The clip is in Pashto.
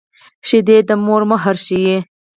شیدې د مور مهر ښيي